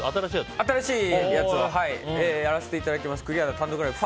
新しいやつをやらせていただいています。